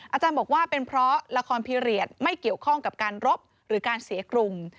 อาจารย์บอกว่าเป็นเพราะละครพิเรียสไม่เกี่ยวข้องกับการรบหรือการเสียกรุง